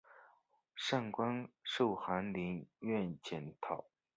散馆授翰林院检讨。